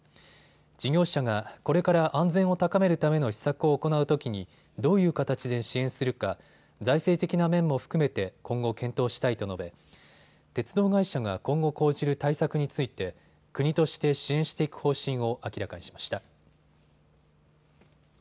事業者が、これから安全を高めるための施策を行うときにどういう形で支援するか財政的な面も含めて今後、検討したいと述べ鉄道会社が今後、講じる対策について国として支援していく方針を明らかにしました。